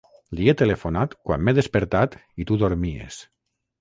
Li he telefonat quan m'he despertat i tu dormies.